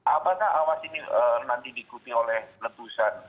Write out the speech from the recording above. apakah awas ini nanti diikuti oleh letusan